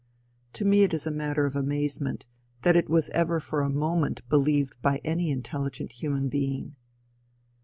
To me it is a matter of amazement, that it ever was for a moment believed by any intelligent human being.